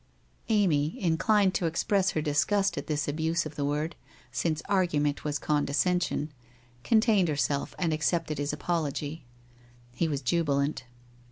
Amy, inclined to express her disgust at this abuse of the word, since argument was condescension, contained her self and accepted his apology. He was jubilant.